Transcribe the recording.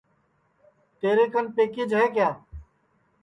تیرے کن پکیچ ہے کیا